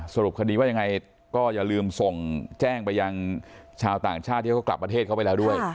สรุปคดีว่ายังไงก็อย่าลืมส่งแจ้งไปยังชาวต่างชาติที่เขากลับประเทศเขาไปแล้วด้วย